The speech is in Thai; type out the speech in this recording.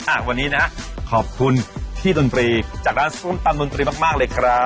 อ่ะวันนี้นะขอบคุณพี่ดนตรีจากร้านส้มตำดนตรีมากมากเลยครับ